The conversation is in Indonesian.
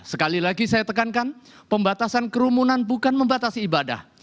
sekali lagi saya tekankan pembatasan kerumunan bukan membatasi ibadah